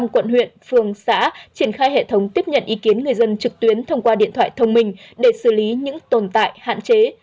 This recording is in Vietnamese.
một trăm linh quận huyện phường xã triển khai hệ thống tiếp nhận ý kiến người dân trực tuyến thông qua điện thoại thông minh để xử lý những tồn tại hạn chế